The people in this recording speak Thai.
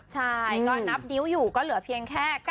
ใช่ก็นับนิ้วอยู่ก็เหลือเพียงแค่๙๐